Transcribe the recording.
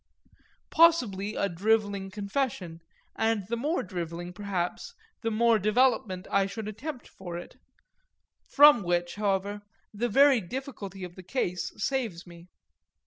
Possibly a drivelling confession, and the more drivelling perhaps the more development I should attempt for it; from which, however, the very difficulty of the case saves me.